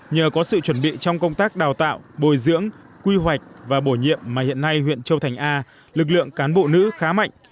nhờ có sự chuẩn bị trong công tác đào tạo bồi dưỡng quy hoạch và bổ nhiệm mà hiện nay huyện châu thành a lực lượng cán bộ nữ khá mạnh